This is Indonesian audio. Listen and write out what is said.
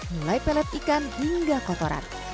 mulai pelet ikan hingga kotoran